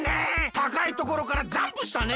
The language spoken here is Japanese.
たかいところからジャンプしたね！